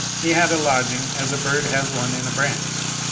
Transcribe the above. He had a lodging, as a bird has one on a branch.